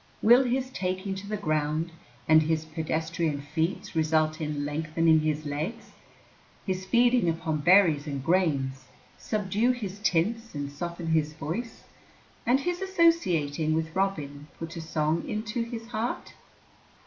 Will his taking to the ground and his pedestrian feats result in lengthening his legs, his feeding upon berries and grains subdue his tints and soften his voice, and his associating with Robin put a song into his heart?